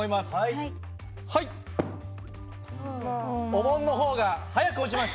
お盆の方が早く落ちました。